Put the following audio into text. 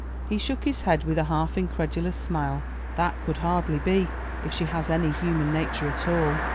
He shook his head with a half incredulous smile. "That could hardly be, if she has any human nature at all."